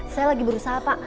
saya lagi berusaha pak